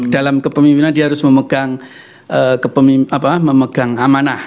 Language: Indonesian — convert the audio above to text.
dalam kepemimpinan dia harus memegang amanah